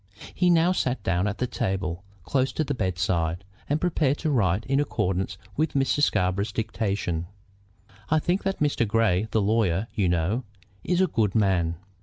He now sat down at the table close to the bedside, and prepared to write in accordance with Mr. Scarborough's dictation. "I think that Grey, the lawyer, you know, is a good man."